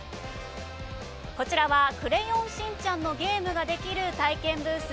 こちらは「クレヨンしんちゃん」のゲームができる体験ブース。